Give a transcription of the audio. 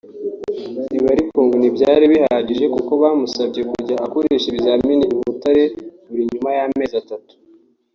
Ibi ariko ngo ntibyari bihagije kuko bamusabye kujya akoresha ibizamini i Butaro buri nyuma y’amezi atatu